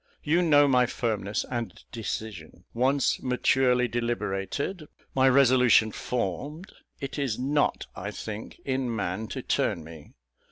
You know my firmness and decision; once maturely deliberated, my resolution formed, it is not, I think, in man to turn me.